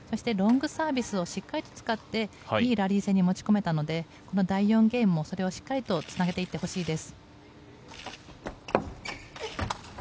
ロングサービスをしっかりと使って、いいラリー戦に持ち込めたので、第４ゲームもそれをしっかりとつなげていってほしいです。